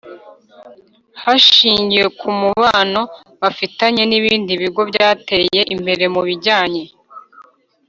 Hashingiwe ku mubano bafitanye n ibindi bigo byateye imbere mu bijyanye